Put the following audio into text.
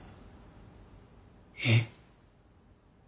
えっ？